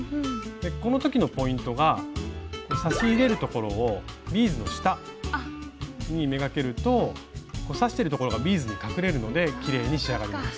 この時のポイントが刺し入れるところをビーズの下に目がけると刺してるところがビーズに隠れるのできれいに仕上がります。